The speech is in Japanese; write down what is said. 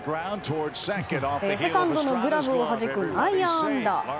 セカンドのグラブをはじく内野安打。